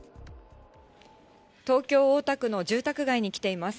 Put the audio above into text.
東京・大田区の住宅街に来ています。